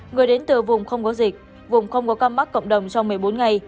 người đến từ vùng không có dịch vùng không có cam mắt cộng đồng trong một mươi bốn ngày